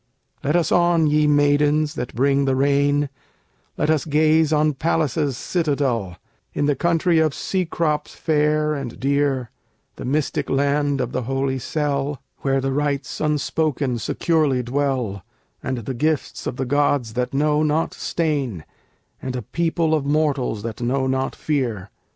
Let us on, ye Maidens that bring the Rain, Let us gaze on Pallas's citadel, In the country of Cecrops fair and dear, The mystic land of the holy cell, Where the Rites unspoken securely dwell, And the gifts of the gods that know not stain, And a people of mortals that know not fear.